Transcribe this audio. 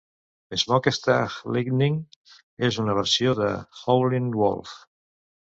"Smokestack Lightning" és una versió de Howlin' Wolf.